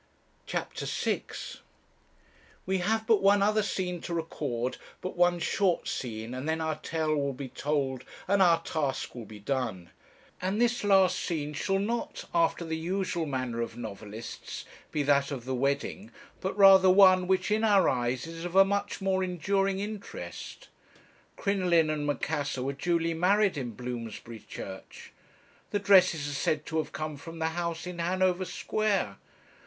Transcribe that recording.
"CHAPTER VI "We have but one other scene to record, but one short scene, and then our tale will be told and our task will be done. And this last scene shall not, after the usual manner of novelists, be that of the wedding, but rather one which in our eyes is of a much more enduring interest. Crinoline and Macassar were duly married in Bloomsbury Church. The dresses are said to have come from the house in Hanover Square.